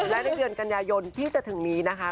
และในเดือนกันยายนที่จะถึงนี้นะคะ